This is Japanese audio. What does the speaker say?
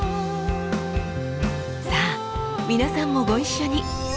さあ皆さんもご一緒に！